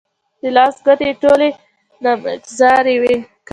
د لاس ګوتې يې ټولې نامګذاري کړې.